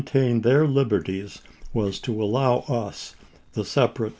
tain their liberties was to allow us the separate Vol.